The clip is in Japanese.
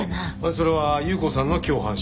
それは優子さんの共犯者？